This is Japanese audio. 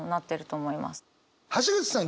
橋口さん